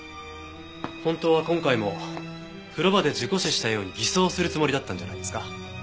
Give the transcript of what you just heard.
本当は今回も風呂場で事故死したように偽装するつもりだったんじゃないですか？